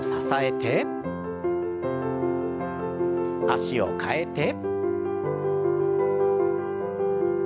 脚を替えて。